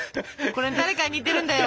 これ誰かに似てるんだよ。